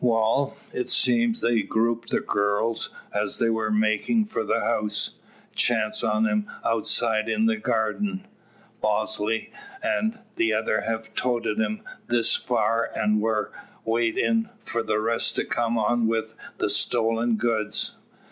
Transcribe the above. Wal; it seems they grupped the gurls, as they war makin' for the house chanced on 'em outside in the garden. Bosley an' the other hev toated 'em this far, an' war wait in for the rest to come on wi' the stolen goods.